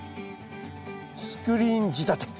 スクリーン仕立てと。